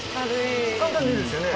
簡単でいいですよね。